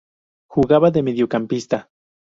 Jugaba de mediocampista.